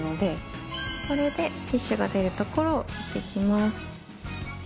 これでティッシュが出る所を切っていきます。